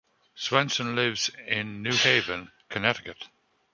Swensen lives in New Haven, Connecticut.